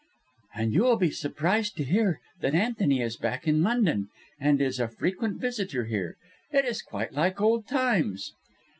"... And you will be surprised to hear that Antony is back in London ... and is a frequent visitor here. It is quite like old times...."